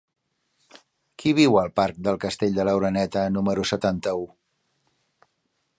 Qui viu al parc del Castell de l'Oreneta número setanta-u?